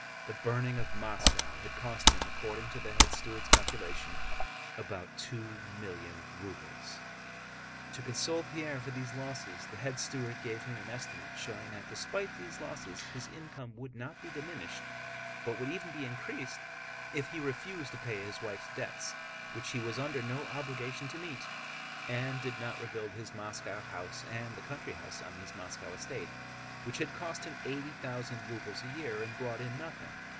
The burning of Moscow had cost him, according to the head steward's calculation, about two million rubles. To console Pierre for these losses the head steward gave him an estimate showing that despite these losses his income would not be diminished but would even be increased if he refused to pay his wife's debts which he was under no obligation to meet, and did not rebuild his Moscow house and the country house on his Moscow estate, which had cost him eighty thousand rubles a year and brought in nothing.